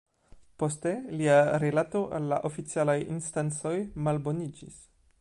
Poste lia rilato al la oficialaj instancoj malboniĝis.